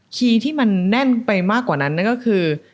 คีย์ที่มันแน่นไปมากกว่านั้นนั่นก็คือ